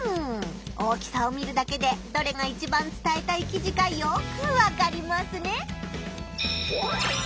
大きさを見るだけでどれがいちばん伝えたい記事かよくわかりますね！